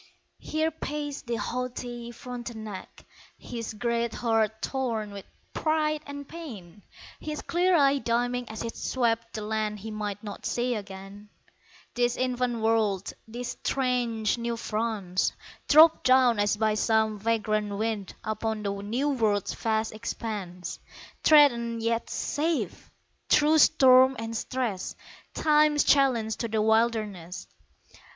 Here paced the haughty Frontenac, His great heart torn with pride and pain, His clear eye dimming as it swept The land he might not see again, This infant world, this strange New France Dropped down as by some vagrant wind Upon the New World's vast expanse, Threatened yet safe! Through storm and stress Time's challenge to the wilderness.